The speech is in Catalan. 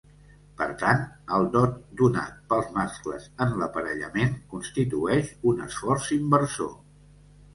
Per tant, el dot donat pels mascles en l'aparellament constitueix un esforç inversor.